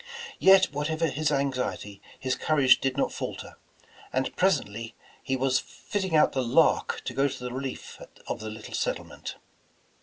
Yet whatever his anxiety, his courage did not falter, and presently he was fitting out the Lark to go to the relief of the little settlement.